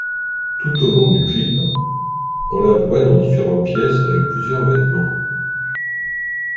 Tout au long du clip, on la voit dans différentes pièces avec plusieurs vêtements.